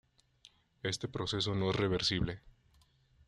Este proceso no es reversible.